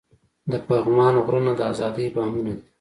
د پغمان غرونه د ازادۍ بامونه دي.